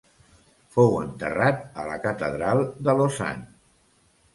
Fou enterrat a la catedral de Lausana.